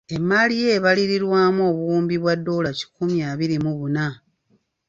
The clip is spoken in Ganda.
Emmaali ye ebalirirwamu obuwumbi bwa ddoola kikumi abiri mu buna.